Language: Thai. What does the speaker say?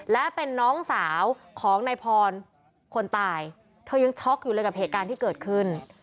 และเป็นน้องสาวของนายพรคนตายเธอยังช็อกอยู่เลยกับเหตุการณ์ที่เกิดขึ้น